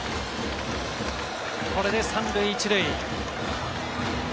これで３塁１塁。